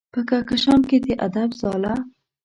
په کهکشان کې د ادب ځاله